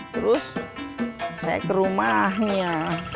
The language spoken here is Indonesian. terus saya ke rumahnya